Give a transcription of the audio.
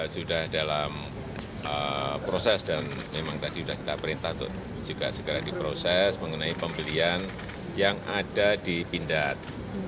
sudah dalam proses dan memang tadi sudah kita perintah untuk juga segera diproses mengenai pembelian yang ada di pindad